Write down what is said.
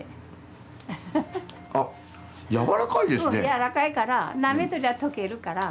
やわらかいからなめとりゃ溶けるから。